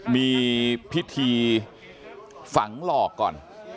มีพิธีฝังหลอกก่อน